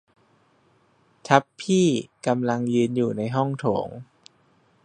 ทัพพี่กำลังยืนอยู่ในห้องโถง